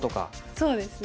そうですね。